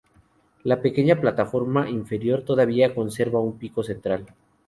La pequeña plataforma interior todavía conserva un pico central.